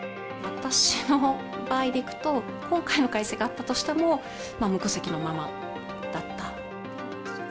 私の場合でいくと、今回の改正があったとしても、無戸籍のままだった。